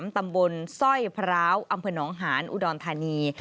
ตำบลสร้อยพร้าวอำเภอหนองหานอุดรธานี